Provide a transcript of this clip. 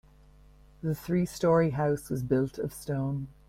The three story house was built of stone.